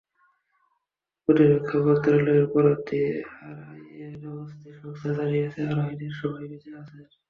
প্রতিরক্ষা মন্ত্রণালয়ের বরাত দিয়ে আরআইএ নভোস্তি সংস্থা জানিয়েছে, আরোহীদের সবাই বেঁচে আছেন।